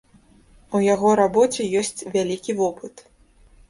У яго рабоце ёсць вялікі вопыт.